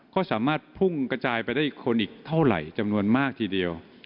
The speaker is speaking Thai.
ก็สามารถพุ่งกระจายไปได้คนอีกเท่าไหร่จำนวนมากทีเดียว